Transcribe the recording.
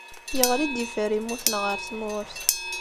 Yeɣli-d yifer yemmuten ɣer tmurt.